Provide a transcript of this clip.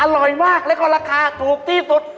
อร่อยมากแล้วก็ราคาถูกที่สุด